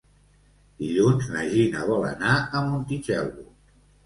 Dilluns na Gina vol anar a Montitxelvo.